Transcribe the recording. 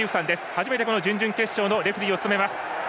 初めて準々決勝のレフリーを務めます。